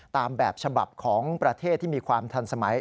ตามแบบฉบับของประเทศที่มีความทันสมัย